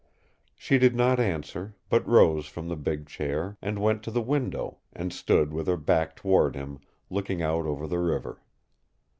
She did not answer, but rose from the big chair, and went to the window, and stood with her back toward him, looking out over the river.